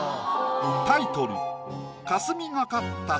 タイトル